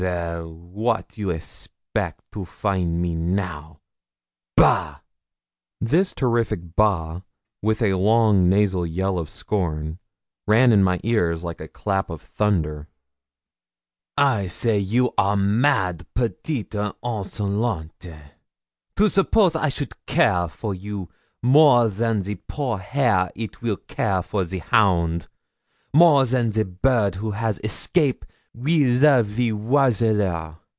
Well, what you expect to find me now? Bah!' This terrific 'Bah!' with a long nasal yell of scorn, rang in my ears like a clap of thunder. 'I say you are mad, petite insolente, to suppose I should care for you more than the poor hare it will care for the hound more than the bird who has escape will love the oiseleur.